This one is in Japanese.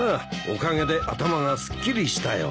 おかげで頭がすっきりしたよ。